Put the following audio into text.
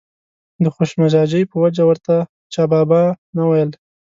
د خوش مزاجۍ په وجه ورته چا بابا نه ویل.